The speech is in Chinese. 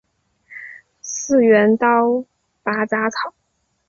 次元刀拔杂草